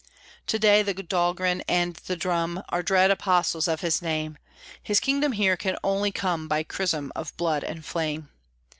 To day the Dahlgren and the drum Are dread Apostles of His Name; His kingdom here can only come By chrism of blood and flame.